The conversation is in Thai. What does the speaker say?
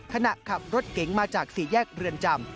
ขณะขับรถเก๋งมาจากสี่แยกเรือนจำ